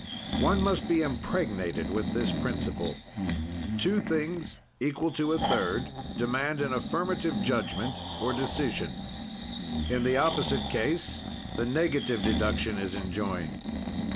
"One must be impregnated with this principle: "Two things equal to a third demand an affirmative judgment or decision. "In the opposite case the negative deduction is enjoined.